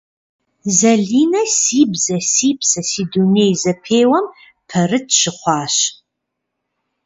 Залинэ «Си бзэ - си псэ, си дуней» зэпеуэм пэрыт щыхъуащ.